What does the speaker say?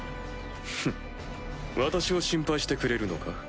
フッ私を心配してくれるのか？